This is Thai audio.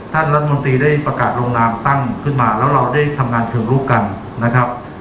ท่านรัฐมนตรีได้ประกาศลงนามตั้งขึ้นมาแล้วเราได้ทำงานเชิงลุกกันนะครับ